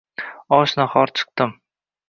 och-nahor chiqdim.